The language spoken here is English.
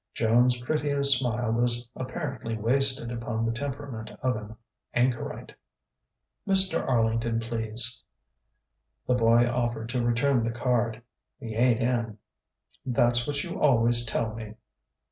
Joan's prettiest smile was apparently wasted upon the temperament of an anchorite. "Mr. Arlington, please." The boy offered to return the card: "He ain't in." "That's what you always tell me."